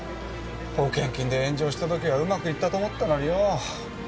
保険金で炎上した時はうまく行ったと思ったのによぉ。